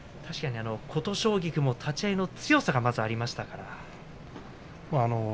琴奨菊も立ち合いの強さがまずありましたから。